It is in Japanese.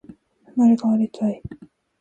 生まれ変わりたい